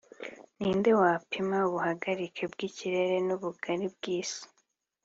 Ni nde wapima ubuhagarike bw’ikirere n’ubugari bw’isi